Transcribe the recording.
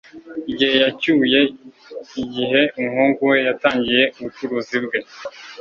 Igihe yacyuye igihe umuhungu we yatangiye ubucuruzi bwe